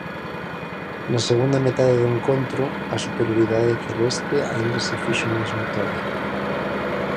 Na segunda metade do encontro, a superioridade celeste aínda se fixo máis notoria.